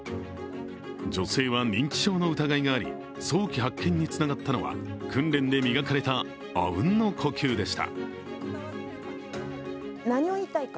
女性は認知症の疑いがあり、早期発見につながったのは訓練で磨かれたあうんの呼吸でした。